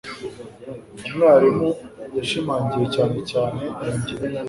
Umwarimu yashimangiye cyane cyane iyo ngingo